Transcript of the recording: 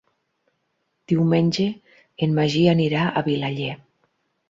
Diumenge en Magí anirà a Vilaller.